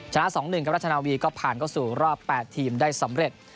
ชนะ๒๑ครับรัชนาวีก็ผ่านเข้าสู่รอบ๘ทีมได้สำเร็จ